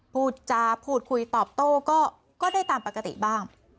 พูดจาพูดคุยตอบโต้ก็ได้ตามปกติบ้าง